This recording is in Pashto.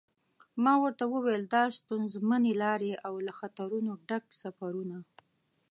ما ورته و ویل دا ستونزمنې لارې او له خطرونو ډک سفرونه.